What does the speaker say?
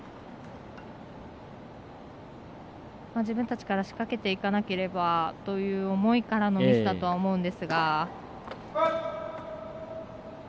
自分たちから仕掛けていかなければという思いからのミスだとは思うんですが。